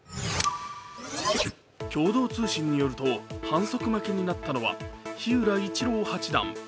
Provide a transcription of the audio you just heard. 共同通信によると反則負けになったのは日浦市郎八段。